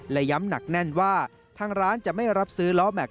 และย้ำหนักแน่นว่าทางร้านจะไม่รับซื้อล้อแม็ก